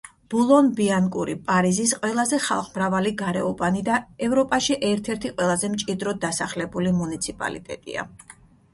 ბულონ-ბიანკური პარიზის ყველაზე ხალხმრავალი გარეუბანი და ევროპაში ერთ-ერთი ყველაზე მჭიდროდ დასახლებული მუნიციპალიტეტია.